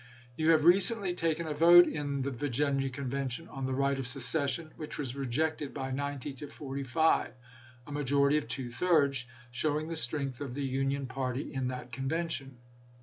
You have recently taken a vote in the Virginia Convention on the right of secession, which was rejected by ninety to forty five, a majority of two thirds, showing the strength of the Union party in that convention.